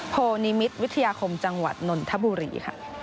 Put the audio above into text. โพนิมิตรวิทยาคมจังหวัดนนทบุรีค่ะ